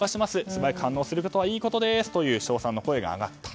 素早く反応することはいいことですと称賛の声が上がった。